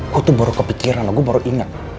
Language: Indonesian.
gue tuh baru kepikiran gue baru inget